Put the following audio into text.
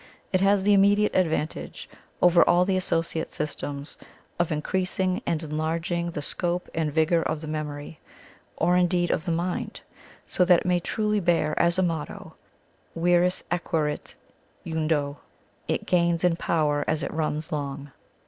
It has the immediate advantage, over all the associate systems, of increasing and enlarging the scope and vigour of the memory, or indeed of the mind, so that it may truly bear as a motto, Vires acquirit eundo "it gains in power as it runs long."